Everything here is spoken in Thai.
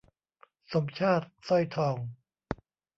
สมชาติ สร้อยทอง